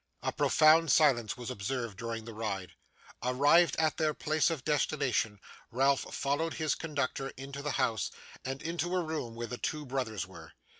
A profound silence was observed during the ride. Arrived at their place of destination, Ralph followed his conductor into the house, and into a room where the two brothers were.